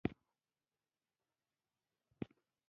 د دوستانو احترام زما وجیبه ده.